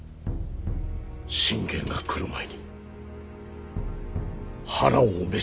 信玄が来る前に腹をお召しなされ。